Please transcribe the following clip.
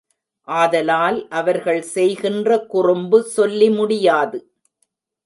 ஆதலால் அவர்கள் செய்கின்ற குறும்பு சொல்லி முடியாது.